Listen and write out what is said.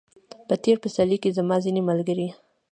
په تېر پسرلي کې زما ځینې ملګري